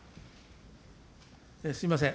すみません。